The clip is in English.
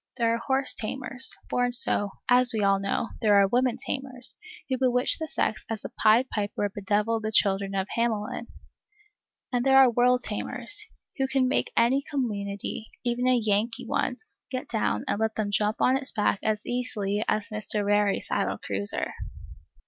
There are horse tamers, born so, as we all know; there are woman tamers, who bewitch the sex as the pied piper bedeviled the children of Hamelin; and there are world tamers, who can make any community, even a Yankee one, get down and let them jump on its back as easily as Mr. Rarey saddled Cruiser.